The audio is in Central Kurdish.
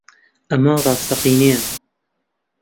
ئەمە ڕاستەقینەیە؟